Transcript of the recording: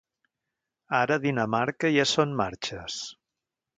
Ara a Dinamarca, ja són marxes.